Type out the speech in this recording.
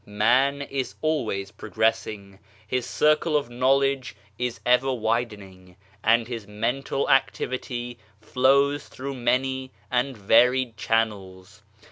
Man is always progressing. His circle of knowledge is ever widening, and his mental activity flows through many and varied channels.